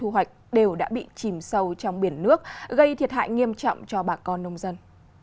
hoặc đều đã bị chìm sâu trong biển nước gây thiệt hại nghiêm trọng cho bà con nông dân